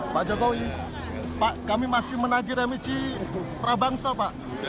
pak jokowi kami masih menandatangani remisi prabangsa pak